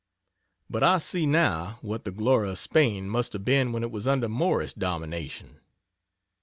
But I see now what the glory of Spain must have been when it was under Moorish domination.